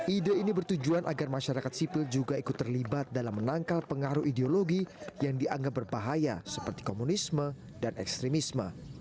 ide ini bertujuan agar masyarakat sipil juga ikut terlibat dalam menangkal pengaruh ideologi yang dianggap berbahaya seperti komunisme dan ekstremisme